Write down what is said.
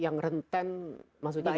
yang rentan maksudnya gimana